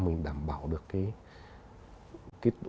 mình đảm bảo được cái